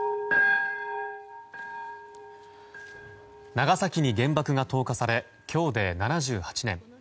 長崎に原爆が投下され今日で７８年。